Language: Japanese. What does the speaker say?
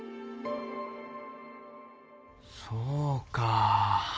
そうか。